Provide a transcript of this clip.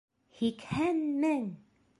Һикһән мең!